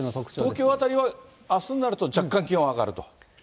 東京辺りはあすになると若干気温上がると。